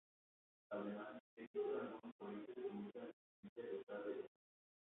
Además, existen algunas corrientes que niegan la existencia de tal derecho.